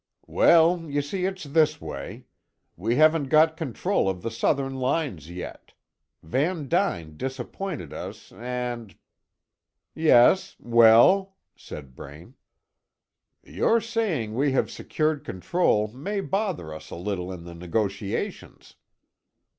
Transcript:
"Well, you see it's this way. We haven't got control of the Southern lines yet. Van Duyn disappointed us, and " "Yes well?" said Braine. "Your saying we have secured control may bother us a little in the negotiations."